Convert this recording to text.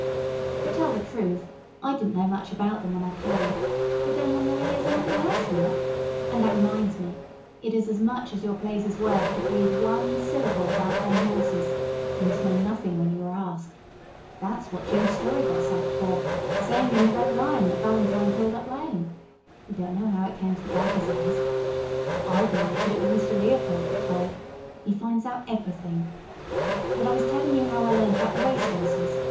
"To tell the truth, I didn't know much about them when I came, but then one never hears anything else here. And that reminds me it is as much as your place is worth to breathe one syllable about them horses; you must know nothing when you are asked. That's what Jim Story got sacked for saying in the 'Red Lion' that Valentine pulled up lame. We don't know how it came to the Gaffer's ears. I believe that it was Mr. Leopold that told; he finds out everything. But I was telling you how I learnt about the race horses.